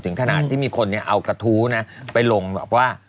ถึงขนาดที่มีคนนี้เอากระทู้นะไปลงว่า